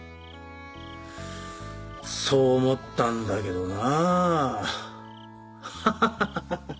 そう思ったんだけどなぁハハハハッ